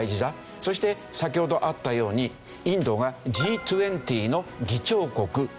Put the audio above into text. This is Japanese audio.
そして先ほどあったようにインドがＧ２０の議長国になりましたでしょ。